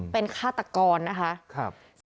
เป็นฆ่าตากรนะครับ